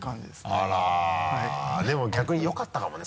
あらでも逆によかったかもね？